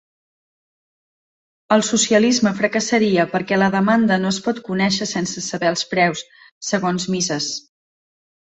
El socialisme fracassaria perquè la demanda no es pot conèixer sense saber els preus, segons Mises.